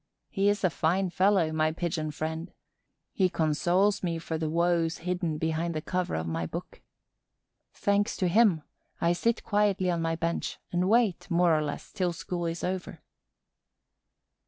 He is a fine fellow, my Pigeon friend; he consoles me for the woes hidden behind the cover of my book. Thanks to him, I sit quietly on my bench and wait more or less till school is over.